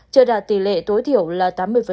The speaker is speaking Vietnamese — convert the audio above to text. chưa đạt tỷ lệ tối thiểu là tám mươi